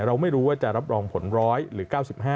เราไม่รู้ว่าจะรับรองผล๑๐๐หรือ๙๕